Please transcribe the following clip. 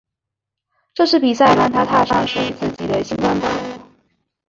这次比赛让她踏上属于自己的星光道路。